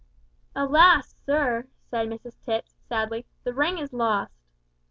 "Alas! sir," said Mrs Tipps, sadly, "the ring is lost!"